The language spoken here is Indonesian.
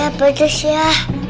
ayah pedas ya